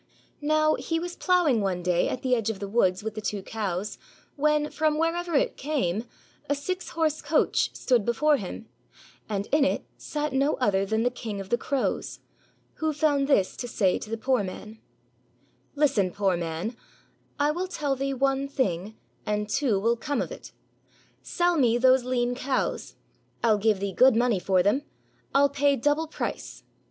Now, he was ploughing one day at the edge of the woods with the two cows, when, from wherever it came, a six horse coach stood before him, and in it sat no other than the King of the Crows, who found this to say to the poor man, — "Listen, poor man; I will tell thee one thing, and two will come of it. Sell me those lean cows; I'll give thee good money for them. I '11 pay double price.